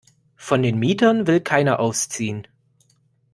Von den Mietern will keiner ausziehen.